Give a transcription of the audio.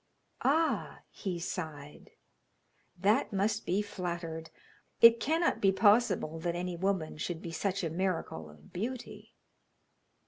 'Ah!' he sighed, 'that must be flattered! It cannot be possible that any woman should be such a miracle of beauty.'